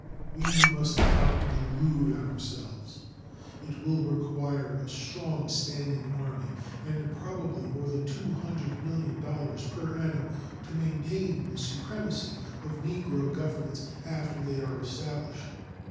We must not delude ourselves. It will require a strong standing army and probably more than $200,000,000 per annum to maintain the supremacy of Negro governments after they are established.